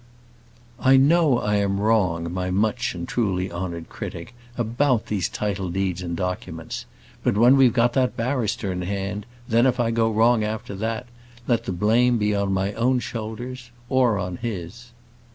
I know I am wrong, my much and truly honoured critic, about these title deeds and documents. But when we've got that barrister in hand, then if I go wrong after that, let the blame be on my own shoulders or on his.